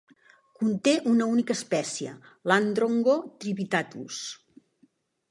Conté una única espècie, l'Androngo trivittatus.